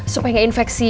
supaya gak infeksi